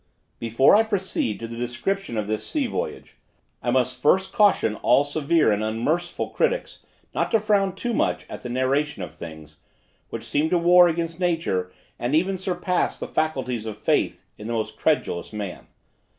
Before I proceed to the description of this sea voyage, I must first caution all severe and unmerciful critics not to frown too much at the narration of things, which seem to war against nature, and even surpass the faculties of faith in the most credulous man.